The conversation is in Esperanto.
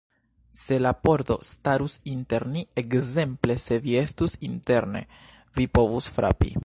Se la pordo starus inter ni; ekzemple, se vi estus interne, vi povus frapi.